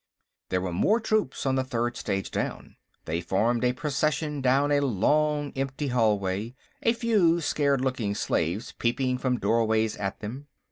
There were more troops on the third stage down. They formed a procession down a long empty hallway, a few scared looking slaves peeping from doorways at them.